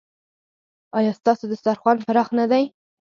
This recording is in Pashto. ایا ستاسو دسترخوان پراخ نه دی؟